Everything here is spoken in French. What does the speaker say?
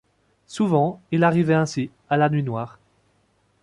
Souvent, il arrivait ainsi, à la nuit noire.